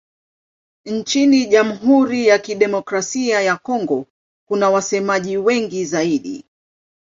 Nchini Jamhuri ya Kidemokrasia ya Kongo kuna wasemaji wengi zaidi.